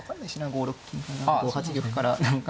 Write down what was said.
５六銀５八玉から何か。